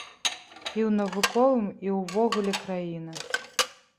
І ў навуковым, і ўвогуле краіна.